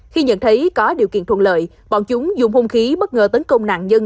khi nhận thấy có điều kiện thuận lợi bọn chúng dùng hôn khí bất ngờ tấn công nạn nhân